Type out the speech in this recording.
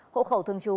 hộ khẩu thường trú